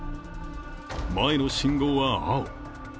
前の信号は青。